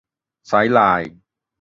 ไซด์ไลน์